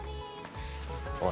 おい